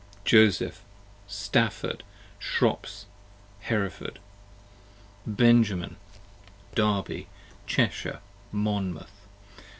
Joseph, Stafford, Shrops, Heref. Benjamin, Derby, Cheshire, Monmouth.